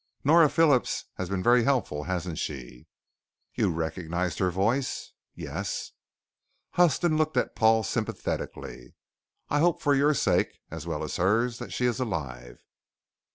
"Nora Phillips has been very helpful, hasn't she?" "You recognized her voice?" "Yes." Huston looked at Paul sympathetically. "I hope for your sake as well as hers that she is alive."